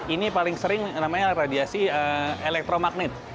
ini paling sering namanya radiasi elektromagnet